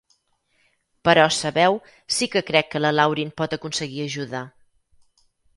Però, sabeu, sí que crec que la Lauryn pot aconseguir ajuda.